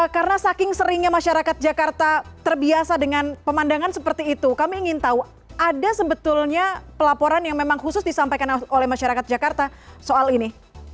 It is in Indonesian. karena saking seringnya masyarakat jakarta terbiasa dengan pemandangan seperti itu kami ingin tahu ada sebetulnya pelaporan yang memang khusus disampaikan oleh masyarakat jakarta soal ini